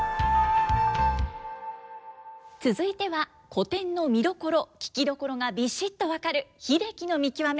続いては古典の見どころ聴きどころがビシッと分かる「英樹の見きわめ」。